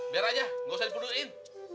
biar aja nggak usah dipenuhin